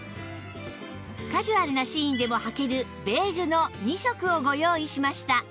カジュアルなシーンでも履けるベージュの２色をご用意しました